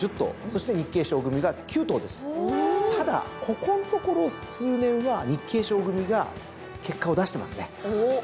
ただここんところ数年は日経賞組が結果を出してますね。